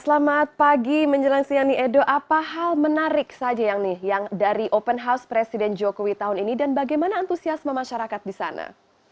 selamat pagi menjelang siang nih edo apa hal menarik saja yang nih yang dari open house presiden jokowi tahun ini dan bagaimana antusiasme masyarakat di sana